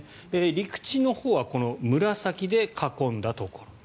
陸地のほうは紫で囲んだところ。